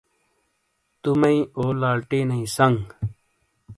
تو مئی او، لالٹینئی سنگ